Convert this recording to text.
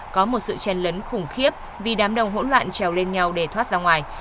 có một sự chen lấn khủng khiếp vì đám đồng hỗn loạn trèo lên nhau để thoát ra ngoài